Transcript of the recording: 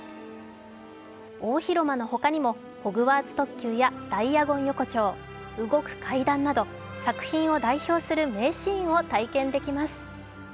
大広間のほかにもホグワーツ特急やダイアゴン横丁、動く階段など作品を代表する名シーンを体験できます。